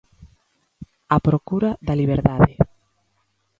A procura da liberdade.